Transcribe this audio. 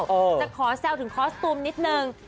แต่ขอแซวถึงคอสตูมนิดนึง